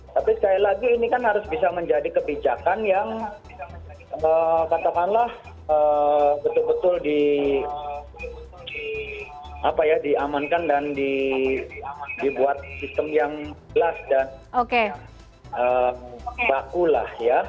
tapi sekali lagi ini kan harus bisa menjadi kebijakan yang katakanlah betul betul di amankan dan dibuat sistem yang gelas dan bakulah ya